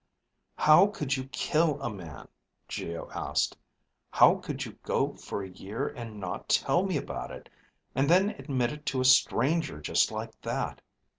"How could you kill a man?" Geo asked. "How could you go for a year and not tell me about it, and then admit it to a stranger just like that?